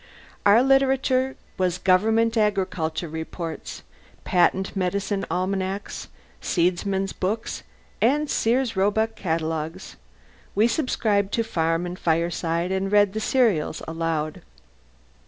Our literature was government agriculture reports, patent medicine almanacs, seedsmen's booklets, and Sears Roebuck catalogues. We subscribed to Farm and Fireside and read the serials aloud.